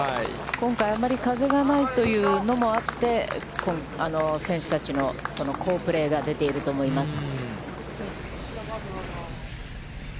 今回あんまり風がないというのもあって、選手たちの好プレーが出ていると思います。